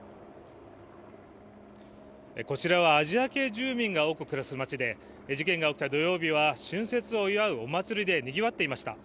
こちらは、アジア系住民が多く暮らす町で事件が起きた土曜日は春節を祝うお祭りでにぎわっていました。